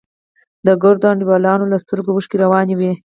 د ګردو انډيوالانو له سترگو اوښکې روانې وې.